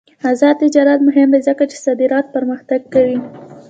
آزاد تجارت مهم دی ځکه چې صادرات پرمختګ کوي.